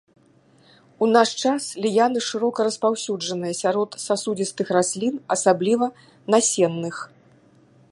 У наш час ліяны шырока распаўсюджаныя сярод сасудзістых раслін, асабліва насенных.